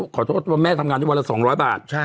ขอโทษว่าแม่ทำงานได้วันละ๒๐๐บาท